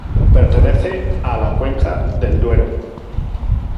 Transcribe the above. Pertenece a la Cuenca del Duero.